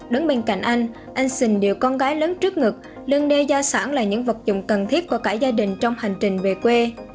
đứng bên cạnh anh anh xình điều con gái lớn trước ngực lưng đeo gia sản là những vật dụng cần thiết của cả gia đình trong hành trình về quê